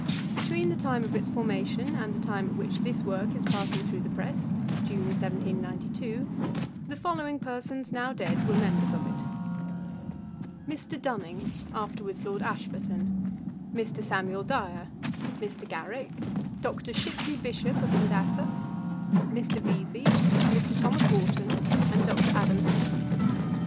Between the time of its formation, and the time at which this work is passing through the press, (June 1792,) the following persons, now dead, were members of it: Mr. Dunning, (afterwards Lord Ashburton,) Mr. Samuel Dyer, Mr. Garrick, Dr. Shipley Bishop of St. Asaph, Mr. Vesey, Mr. Thomas Warton and Dr. Adam Smith.